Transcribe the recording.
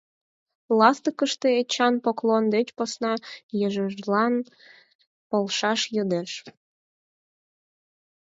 Ластыкыште Эчан поклон деч посна ешыжлан полшаш йодеш.